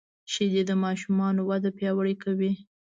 شیدې د ماشوم وده پیاوړې کوي